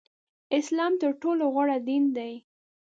اسلام تر ټولو غوره دین دی